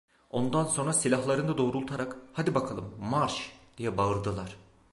Ondan sonra silahlarını doğrultarak: "Hadi bakalım, marş!" diye bağırdılar.